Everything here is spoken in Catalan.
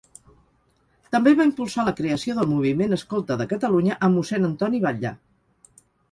També va impulsar la creació del moviment escolta de Catalunya, amb mossèn Antoni Batlle.